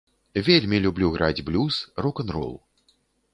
Вельмі люблю граць блюз, рок-н-рол.